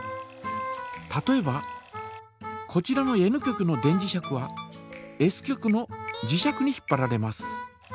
例えばこちらのＮ極の電磁石はＳ極の磁石に引っぱられます。